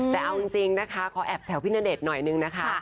แต่เอาจริงนะคะขอแอบแถวพี่ณเดชน์หน่อยนึงนะคะ